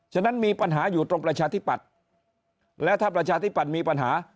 ฉะนั้นมีปัญหาอยู่ตรงประชาธิปัตย์และถ้าประชาธิปัตย์มีปัญหา